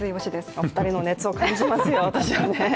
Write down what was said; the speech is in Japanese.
お二人の熱を感じますよ、私はね。